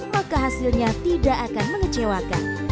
maka hasilnya tidak akan mengecewakan